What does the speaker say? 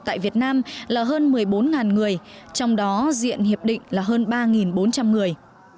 tại việt nam là hơn một mươi bốn người trong đó diện hiệp định là hơn ba bốn trăm linh người